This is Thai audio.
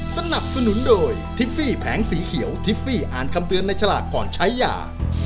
สนับสนุนโดยทิฟฟี่แผงสีเขียวทิฟฟี่อ่านคำเตือนในฉลากก่อนใช้ยา